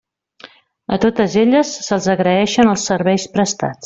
A totes elles se'ls agraeixen els serveis prestats.